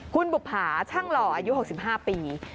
คุณบุภาช่างหล่ออายุ๖๕ปี